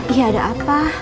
iya ada apa